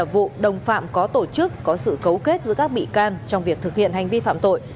vụ đồng phạm có tổ chức có sự cấu kết giữa các bị can trong việc thực hiện hành vi phạm tội